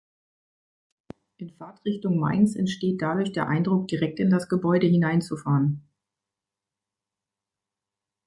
In Fahrtrichtung Mainz entsteht dadurch der Eindruck, direkt in das Gebäude hinein zu fahren.